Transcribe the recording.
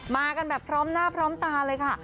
มากันแบบพร้อมหน้าพร้อมตาเลยค่ะ